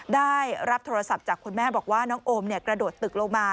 ได้รับโทรศัพท์จากคุณแม่บอกว่าน้องโอมกระโดดตึกลงมา